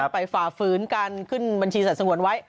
ฝ่าฝืนการขึ้นบัญชีสัตว์สงวนไว้